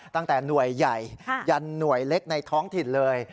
ตั้งแต่หน่วยใหญ่ยันหน่วยเล็กในท้องถิ่นเลย